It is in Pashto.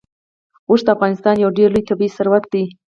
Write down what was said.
اوښ د افغانستان یو ډېر لوی طبعي ثروت دی.